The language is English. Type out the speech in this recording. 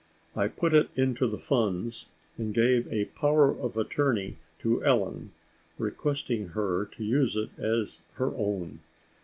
I put it into the funds, and gave a power of attorney to Ellen, requesting her to use it as her own.